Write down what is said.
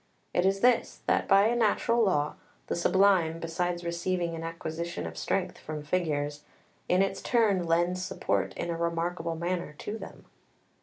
It is this, that by a natural law the Sublime, besides receiving an acquisition of strength from figures, in its turn lends support in a remarkable manner to them.